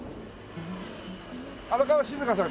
荒川静香さん